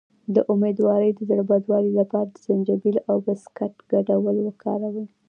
د امیدوارۍ د زړه بدوالي لپاره د زنجبیل او بسکټ ګډول وکاروئ